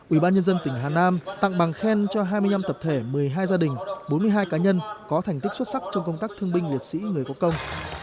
ubnd tỉnh hà nam tặng bằng khen cho hai mươi năm tập thể một mươi hai gia đình bốn mươi hai cá nhân có thành tích xuất sắc trong công tác thương binh liệt sĩ người có công